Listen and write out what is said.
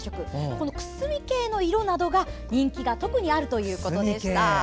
このくすみ系の色などが特に人気があるということでした。